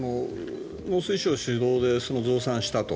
農水省主導で増産したと。